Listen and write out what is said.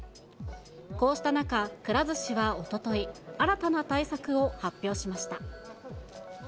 こうした中、くら寿司はおととい、新たな対策を発表しました。